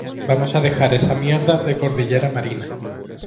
vamos a dejar esa mierda de cordillera marina.